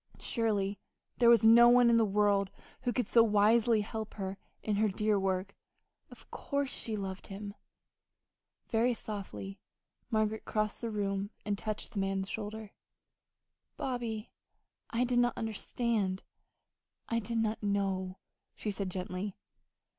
Surely there was no one in the world who could so wisely help her in her dear work. Of course she loved him! Very softly Margaret crossed the room and touched the man's shoulder. "Bobby, I did not understand I did not know," she said gently.